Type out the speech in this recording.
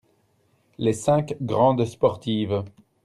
Les cinq grandes sportives.